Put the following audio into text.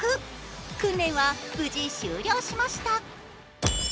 訓練は無事終了しました。